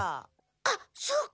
あっそうか。